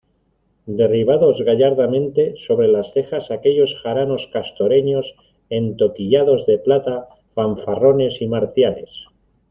derribados gallardamente sobre las cejas aquellos jaranos castoreños entoquillados de plata, fanfarrones y marciales.